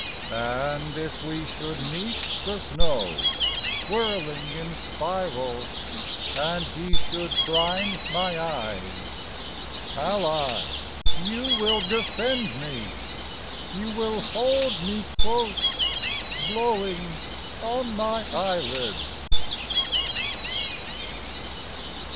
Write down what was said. And if we should meet the Snow, Whirling in spirals, And he should blind my eyes... Ally, you will defend me You will hold me close, Blowing on my eyelids.